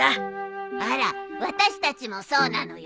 あら私たちもそうなのよ。